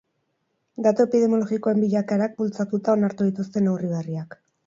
Datu epidemiologikoen bilakaerak bultzatuta onartu dituzte neurri berriak.